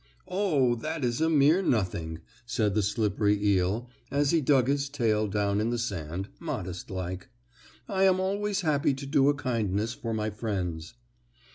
"Oh, that is a mere nothing!" said the slippery eel, as he dug his tail down in the sand, modest like. "I am always happy to do a kindness for my friends."